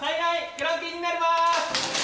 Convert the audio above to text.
クランクインになります！